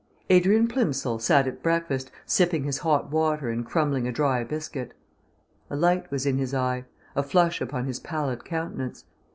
..... Adrian Plimsoll sat at breakfast, sipping his hot water and crumbling a dry biscuit. A light was in his eye, a flush upon his pallid countenance.